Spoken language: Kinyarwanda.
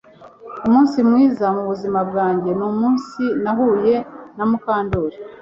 Umunsi mwiza mubuzima bwanjye ni umunsi nahuye na Mukandoli